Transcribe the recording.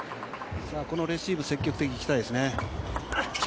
このレシーブ積極的にいきたいですね。